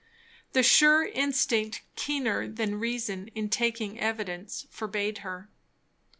The sure instinct, keener than reason in taking evidence, forbade her.